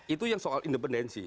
itu yang soal independensi